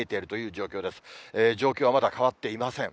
状況はまだ変わっていません。